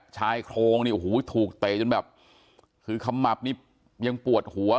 ชายโครงนี่โอ้โหถูกเตะจนแบบคือขมับนี่ยังปวดหัว